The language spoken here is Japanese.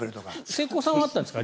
瀬古さんはあったんですか？